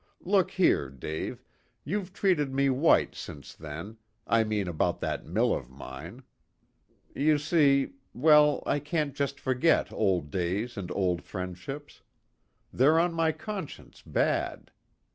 Look here, Dave, you've treated me 'white' since then I mean about that mill of mine. You see well, I can't just forget old days and old friendships. They're on my conscience bad.